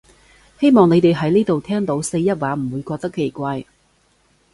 希望你哋喺呢度聽到四邑話唔會覺得奇怪